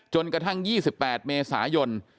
จนกระทั่ง๒๘เมษายน